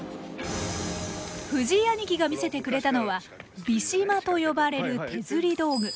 藤井兄貴が見せてくれたのは「ビシマ」と呼ばれる手釣り道具。